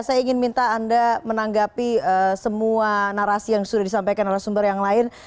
saya ingin minta anda menanggapi semua narasi yang sudah disampaikan oleh sumber yang lain